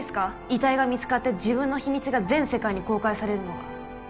遺体が見つかって自分の秘密が全世界に公開されるのが。